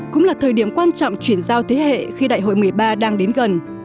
cũng là thời điểm quan trọng chuyển giao thế hệ khi đại hội một mươi ba đang đến gần